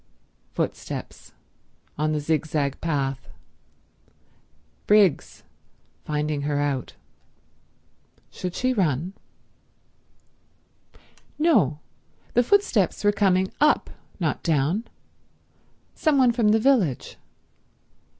Footsteps. On the zigzag path. Briggs. Finding her out. Should she run? No—the footsteps were coming up, not down. Some one from the village.